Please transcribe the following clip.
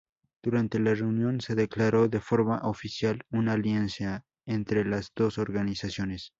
Durante la reunión se declaró de forma oficial una alianza entre las dos organizaciones.